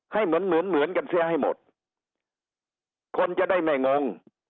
ให้เหมือนเหมือนเหมือนกันเสียให้หมดคนจะได้ไม่งง